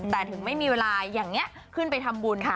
แต่ถึงไม่มีเวลาอย่างนี้ขึ้นไปทำบุญค่ะ